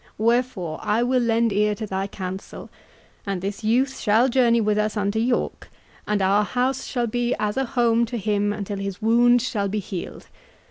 Wherefore I will lend ear to thy counsel, and this youth shall journey with us unto York, and our house shall be as a home to him until his wounds shall be healed.